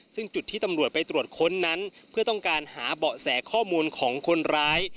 ซึ่งจุดที่ตำรวจไปตรวจค้นนั้นเพื่อต้องการหาเบาะแสข้อมูลของคนร้าย